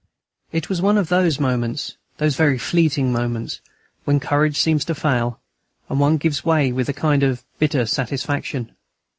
It was one of those moments those very fleeting moments! when courage seems to fail, and one gives way with a kind of bitter satisfaction.